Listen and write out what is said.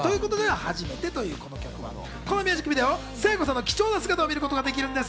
そしてこのミュージックビデオ、聖子さんの貴重な姿を見ることができるそうなんです。